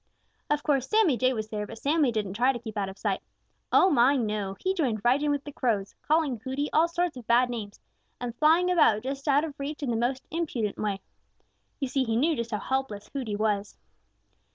Of course, Sammy Jay was there, but Sammy didn't try to keep out of sight. Oh, my, no! He joined right in with the Crows, calling Hooty all sorts of bad names and flying about just out of reach in the most impudent way. You see he knew just how helpless Hooty was.